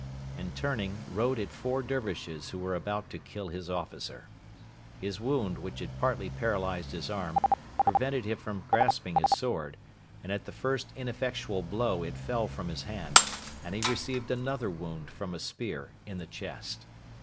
and turning, rode at four Dervishes who were about to kill his officer. His wound, which had partly paralysed his arm, prevented him from grasping his sword, and at the first ineffectual blow it fell from his hand, and he received another wound from a spear in the chest.